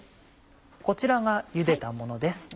こちらがゆでたものです。